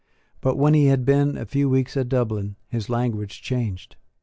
But, when he had been a few weeks at Dublin, his language changed.